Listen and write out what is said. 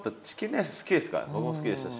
僕も好きでしたし。